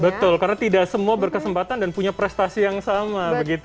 betul karena tidak semua berkesempatan dan punya prestasi yang sama